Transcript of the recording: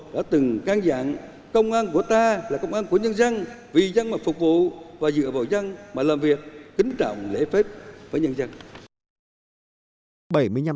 đã từng can dạng công an của ta là công an của nhân dân vì dân mà phục vụ và dựa vào dân mà làm việc kính trọng lễ phép với nhân dân